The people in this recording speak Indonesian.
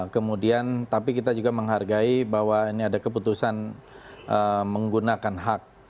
kemudian tapi kita juga menghargai bahwa ini ada keputusan menggunakan hak